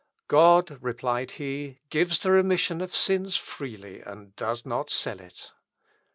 "God," replied he, "gives the remission of sins freely, and does not sell it."